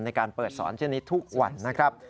ในการเปิดสอนเช่นนี้ทุกวันนะครับ